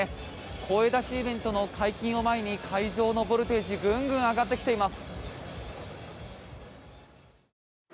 声出しイベントの解禁を前に会場のボルテージぐんぐん上がってきています。